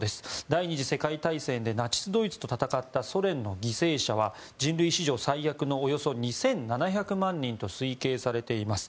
第２次世界大戦でナチスドイツと戦ったソ連の犠牲者は人類史上最悪のおよそ２７００万人と推計されています。